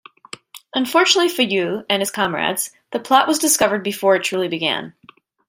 Unfortunately for Yui and his comrades, the plot was discovered before it truly began.